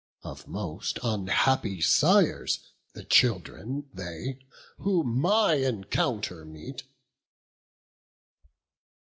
of most unhappy sires The children they, who my encounter meet!"